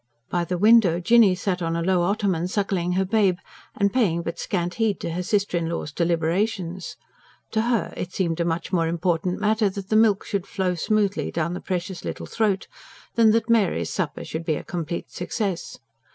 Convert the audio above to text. By the window Jinny sat on a low ottoman suckling her babe, and paying but scant heed to her sister in law's deliberations: to her it seemed a much more important matter that the milk should flow smoothly down the precious little throat, than that Mary's supper should be a complete success.